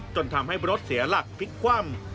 จนทำให้รถเสียหลักพลิกคว่ำ